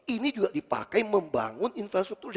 ini juga dipakai membangun infrastruktur